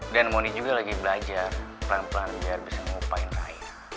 dan mundi juga lagi belajar pelan pelan biar bisa ngupain raya